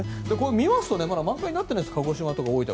見ますとまだ満開になっていない鹿児島とか大分。